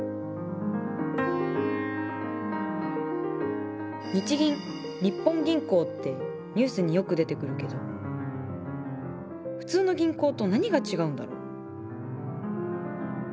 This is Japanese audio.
皆さんも日銀日本銀行ってニュースによく出てくるけど普通の銀行と何が違うんだろう？